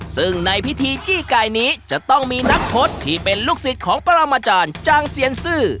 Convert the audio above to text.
ซึ่งในพิธีจี้ไก่นี้จะต้องมีนักพจน์ที่เป็นลูกศิษย์ของปรามาจารย์จางเซียนซื่อ